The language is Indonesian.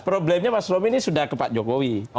problemnya mas romy ini sudah ke pak jokowi